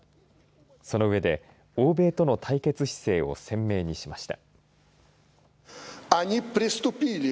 その上で欧米との対決姿勢を鮮明にしました。